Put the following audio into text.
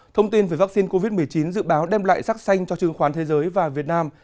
thông tin về vaccine covid một mươi chín dự báo đem lại sắc xanh cho trường khoán thế giới và việt nam